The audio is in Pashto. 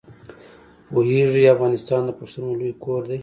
پوهېږې افغانستان د پښتنو لوی کور دی.